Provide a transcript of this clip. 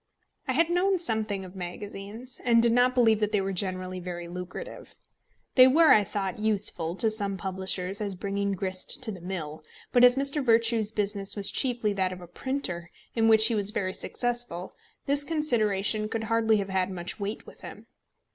I had known something of magazines, and did not believe that they were generally very lucrative. They were, I thought, useful to some publishers as bringing grist to the mill; but as Mr. Virtue's business was chiefly that of a printer, in which he was very successful, this consideration could hardly have had much weight with him.